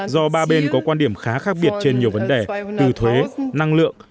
do ba bên có quan điểm khá khác biệt trên nhiều vấn đề từ thuế năng lượng